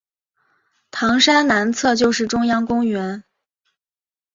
糖山南侧就是中央公园。